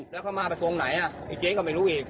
ตั้งพอมาถวงไหนเจ๊ก็ไม่รู้อีก